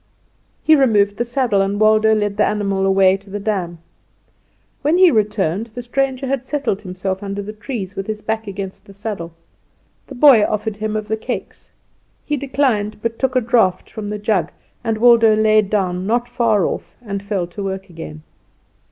He removed the saddle and Waldo led the animal away to the dam. When he returned, the stranger had settled himself under the trees, with his back against the saddle. The boy offered him of the cakes. He declined, but took a draught from the jug; and Waldo lay down not far off and fell to work again.